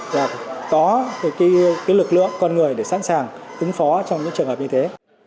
và có lực lượng con người để sẵn sàng ứng phó trong những trường hợp như thế